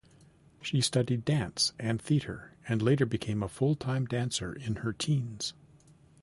She studied dance and theater and later became a full-time dancer in her teens.